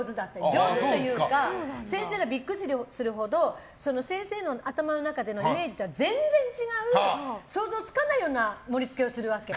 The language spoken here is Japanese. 上手というか先生もびっくりするほど先生の頭の中でのイメージと全然違う想像つかないような盛り付けをするわけ。